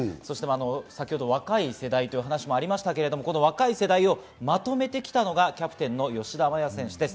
若い世代という話もありましたけれど、若い世代をまとめて来たのがキャプテンの吉田麻也選手です。